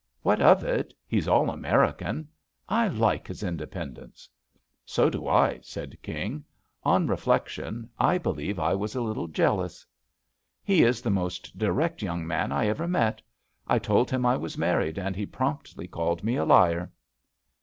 "What of it? He's all American. I like his independence." "So do I," said King. "On reflection, I believe I was a little jealous." "He is the most direct young man I ever met. I told him I was married and he promptly called me a liar."